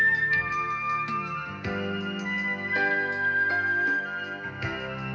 aku selalu ingin menghina aku ha